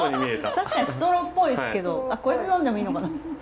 確かにストローっぽいですけどこれで呑んでもいいのかな？